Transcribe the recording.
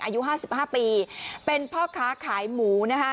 อายุ๕๕ปีเป็นพ่อค้าขายหมูนะฮะ